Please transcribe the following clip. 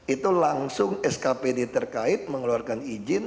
itu langsung skpd terkait mengeluarkan izin